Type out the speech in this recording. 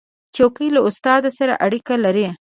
چوکۍ له استاد سره اړیکه لري.